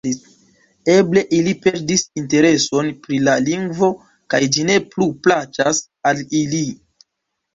Eble ili perdis intereson pri la lingvo kaj ĝi ne plu plaĉas al ili.